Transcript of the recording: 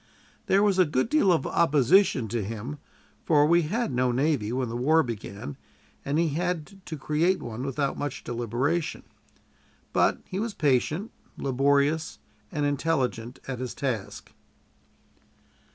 There was a good deal of opposition to him, for we had no navy when the war began, and he had to create one without much deliberation; but he was patient, laborious, and intelligent at his task.